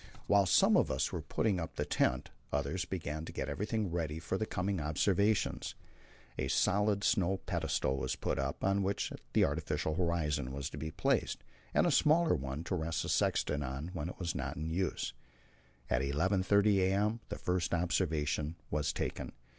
While some of us were putting up the tent, others began to get everything ready for the coming observations. A solid snow pedestal was put up, on which the artificial horizon was to be placed, and a smaller one to rest the sextant on when it was not in use. At 11.30 a.m. the first observation was taken.